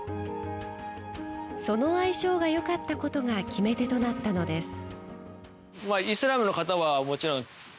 その相性がよかったことが決め手となったのです。